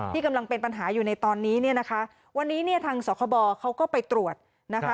กำลังเป็นปัญหาอยู่ในตอนนี้เนี่ยนะคะวันนี้เนี่ยทางสคบเขาก็ไปตรวจนะคะ